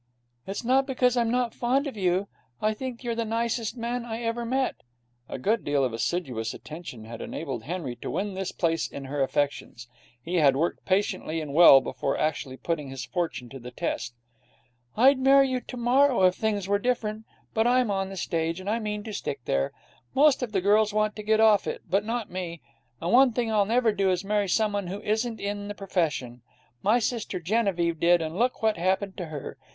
'It's not because I'm not fond of you. I think you're the nicest man I ever met.' A good deal of assiduous attention had enabled Henry to win this place in her affections. He had worked patiently and well before actually putting his fortune to the test. 'I'd marry you tomorrow if things were different. But I'm on the stage, and I mean to stick there. Most of the girls want to get off it, but not me. And one thing I'll never do is marry someone who isn't in the profession. My sister Genevieve did, and look what happened to her.